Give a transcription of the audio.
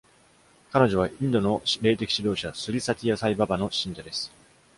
彼女はインドの霊的指導者、スリ・サティヤ・サイ・ババの信者です。